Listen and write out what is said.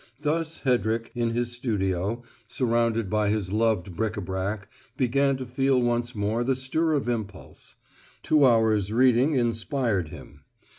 Thus Hedrick, in his studio, surrounded by his own loved bric a brac, began to feel once more the stir of impulse. Two hours' reading inspired him.